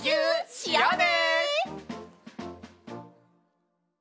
しようね！